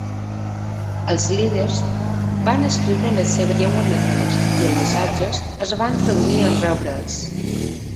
Els líders van escriure en les seves llengües natives, i els missatges es van traduir en rebre'ls.